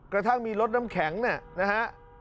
กระทั่งมีรถน้ำแข็งนะครับ